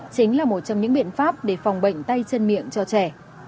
chính là một trong những biện pháp để phòng bệnh tay chân miệng cho trẻ